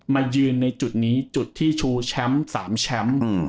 มายืนในจุดนี้จุดที่ชูแชมป์๓แชมป์